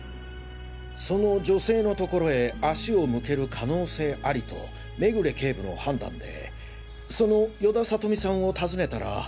その女性のところへ足を向ける可能性アリと目暮警部の判断でその与田理美さんを訪ねたら。